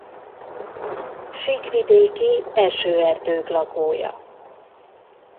Síkvidéki esőerdők lakója.